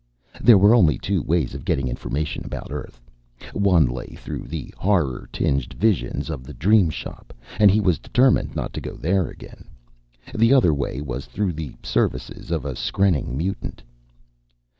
There were only two ways of getting information about Earth. One lay through the horror tinged visions of the Dream Shop, and he was determined not to go there again. The other way was through the services of a skrenning mutant.